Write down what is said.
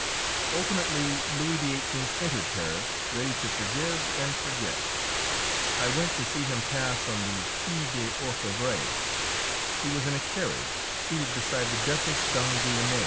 Ultimately, Louis XVIII. entered Paris, ready to forgive and forget. I went to see him pass on the Quai des Orfèvres. He was in a carriage, seated beside the Duchess d'Angoulême.